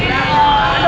badan pak ustadz